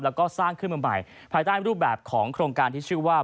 แล้วก็สร้างขึ้นมาใหม่ภายใต้รูปแบบของโครงการที่ชื่อว่า